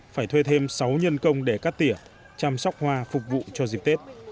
phải thuê thêm sáu nhân công để cắt tỉa chăm sóc hoa phục vụ cho dịp tết